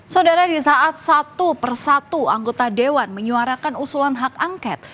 saudara di saat satu persatu anggota dewan menyuarakan usulan hak angket